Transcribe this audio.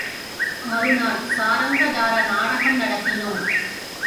மறு நாள் சாரங்கதர நாடகம் நடத்தினோம்.